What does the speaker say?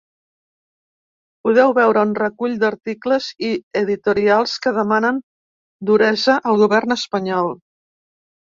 Podeu veure un recull d’articles i editorials que demanen duresa al govern espanyol.